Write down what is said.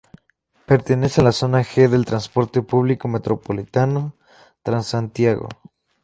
Pertenece a la Zona G del transporte público metropolitano, Transantiago.